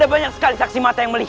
apa ini seperti ini